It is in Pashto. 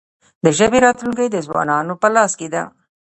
د ژبې راتلونکې د ځوانانو په لاس کې ده.